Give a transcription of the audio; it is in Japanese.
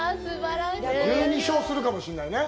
１２勝するかもしれないね、